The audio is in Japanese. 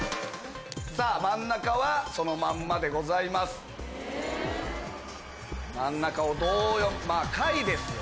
真ん中はそのままでございます。